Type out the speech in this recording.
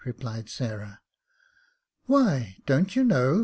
" replied Sai\,,h. "Why, don't you know